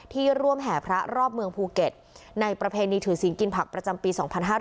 ร่วมแห่พระรอบเมืองภูเก็ตในประเพณีถือศีลกินผักประจำปี๒๕๕๙